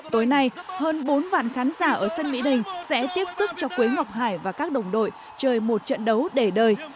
tối nay hơn bốn vạn khán giả ở sân mỹ đình sẽ tiếp sức cho quế ngọc hải và các đồng đội chơi một trận đấu để đời